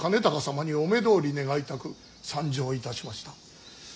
隆様にお目通り願いたく参上いたしました。